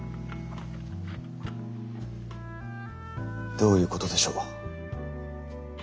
どういうことでしょう？